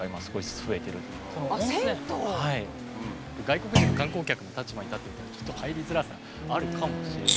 外国人の観光客の立場に立ってみたらちょっと入りづらさあるかもしれない。